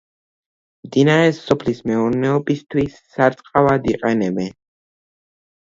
მდინარეს სოფლის მეურნეობისთვის, სარწყავად იყენებენ.